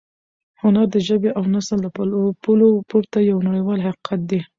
هنر د ژبې او نسل له پولو پورته یو نړیوال حقیقت دی.